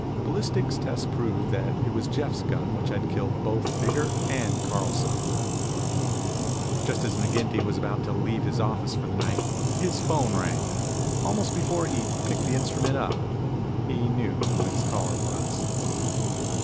Ballistics tests proved that it was Jeff's gun which had killed both Biggert and Carlson. Just as McGinty was about to leave his office for the night, his phone rang. Almost before he picked the instrument up, he knew who his caller was.